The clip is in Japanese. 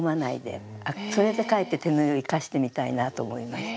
あそれでかえって手縫いを生かしてみたいなと思いました。